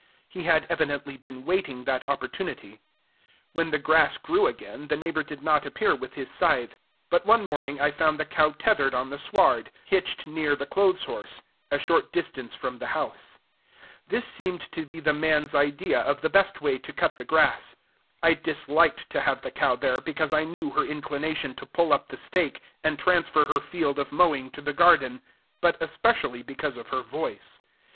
He had evidently been waiting that opportunity. When the grass grew again, the neighbor did not appear with his scythe; but one morning I found the cow tethered on the sward, hitched near the clothes horse, a short distance from the house. This seemed to be the man's idea of the best way to cut the grass. I disliked to have the cow there, because I knew her inclination to pull up the stake, and transfer her field of mowing to the garden, but especially because of her voice.